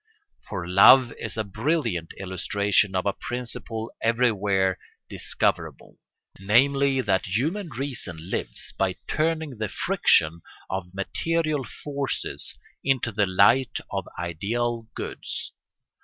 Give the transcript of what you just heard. For love is a brilliant illustration of a principle everywhere discoverable: namely, that human reason lives by turning the friction of material forces into the light of ideal goods.